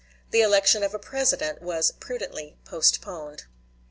The election of a president was prudently postponed.